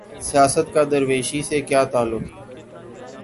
سیاست کا درویشی سے کیا تعلق؟